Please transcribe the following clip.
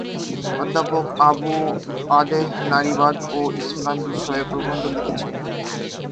অধ্যাপক আবু-অদেহ নারীবাদ ও ইসলাম বিষয়ে প্রবন্ধ লিখেছেন।